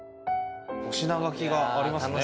お品書きがありますね。